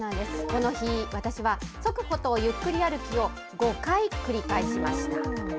この日、私は速歩とゆっくり歩きを５回繰り返しました。